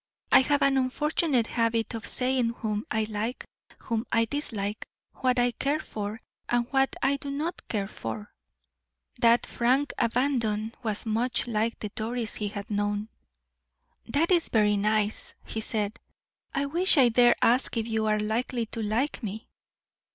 I have an unfortunate habit of saying whom I like, whom I dislike, what I care for, and what I do not care for." That frank abandon was not much like the Doris he had known. "That is very nice," he said; "I wish I dare ask if you are likely to like me?"